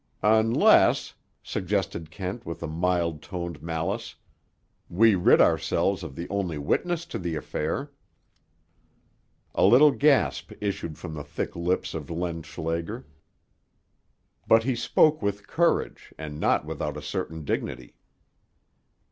"Unless," suggested Kent with mild toned malice, "we rid ourselves of the only witness to the affair." A little gasp issued from the thick lips of Len Schlager. But he spoke with courage, and not without a certain dignity.